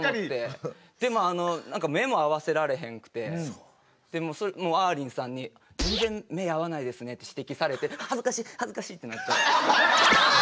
でもあの何か目も合わせられへんくてあーりんさんに「全然目合わないですね」って指摘されて「はずかしはずかし！」ってなっちゃう。